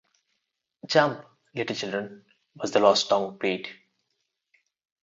"Jump, Little Children" was the last song played.